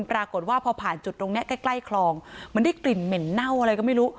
ปรากฏว่าพอผ่านจุดตรงนี้ใกล้ใกล้คลองมันได้กลิ่นเหม็นเน่าอะไรก็ไม่รู้